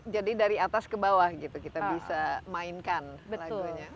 jadi dari atas ke bawah kita bisa mainkan lagunya